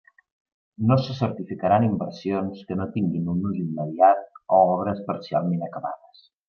No se certificaran inversions que no tinguin un ús immediat o obres parcialment acabades.